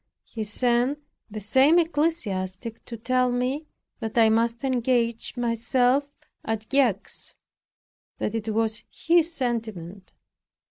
He sent the same ecclesiastic to tell me that I must engage myself at Gex; that it was his sentiment.